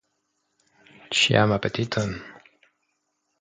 Ĉiam apetiton!